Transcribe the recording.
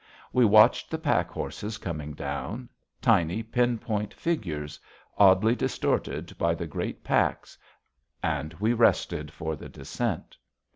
We watched the pack horses coming down, tiny pin point figures, oddly distorted by the great packs. And we rested for the descent.